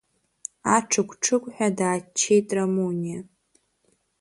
Аҽыгә-ҽыгәҳәа дааччеит Рамуниа.